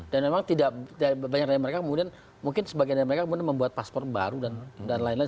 dan memang tidak banyak dari mereka kemudian mungkin sebagian dari mereka kemudian membuat paspor baru dan lain lain